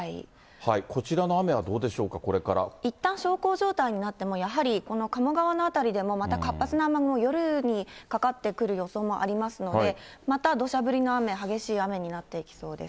こちらの雨はどうでしょうか、いったん小康状態になってもやはりこの鴨川の辺りでもまた活発な雨雲、夜にかかってくる予想もありますので、またどしゃ降りの雨、激しい雨になっていきそうです。